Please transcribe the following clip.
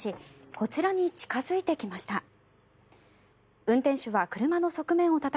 こちらに近付いてきました。